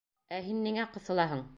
Ә һин ниңә ҡыҫылаһың?